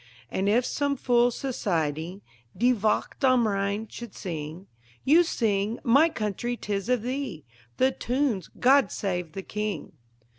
And if some fool society "Die Wacht am Rhein" should sing, You sing "My Country 'tis of Thee" The tune's "God Save the King."